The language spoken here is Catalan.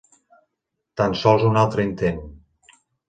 Tan sols un altre intent.